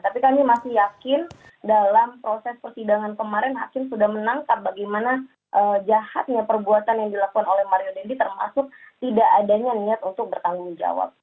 tapi kami masih yakin dalam proses persidangan kemarin hakim sudah menangkap bagaimana jahatnya perbuatan yang dilakukan oleh mario dendi termasuk tidak adanya niat untuk bertanggung jawab